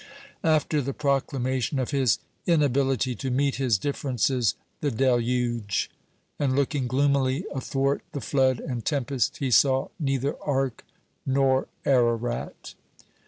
After the proclamation of his inability to meet his differences the Deluge: and, looking gloomily athwart the flood and tempest, he saw neither ark nor Ararat.